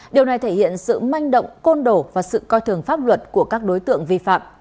điều này thể hiện sự manh động côn đổ và sự coi thường pháp luật của các đối tượng vi phạm